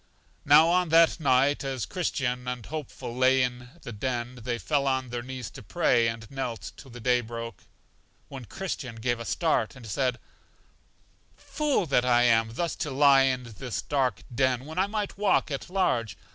Now, on that night, as Christian and Hopeful lay in the den, they fell on their knees to pray, and knelt till the day broke; when Christian gave a start, and said: Fool that I am thus to lie in this dark den when I might walk at large!